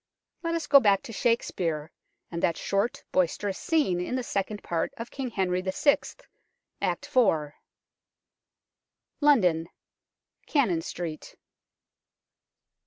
Let us go back to Shakespeare, and that short, boisterous scene in the Second Part of King Henry VI., Act iv. London. Cannon Street.